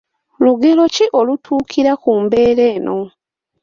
Lugero ki olutuukira ku mbeera eno?